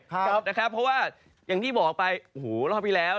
เพราะว่าอย่างที่บอกไปโอ้โหรอบที่แล้ว